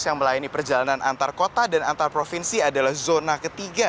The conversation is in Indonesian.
yang melayani perjalanan antar kota dan antar provinsi adalah zona ketiga